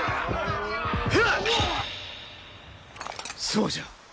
そうじゃ！